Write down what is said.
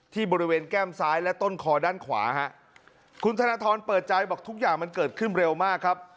ที่บริเวณแก้มซ้ายและต้นคอด้านขวาฮะคุณธนทรเปิดใจบอกทุกอย่างมันเกิดขึ้นเร็วมากครับ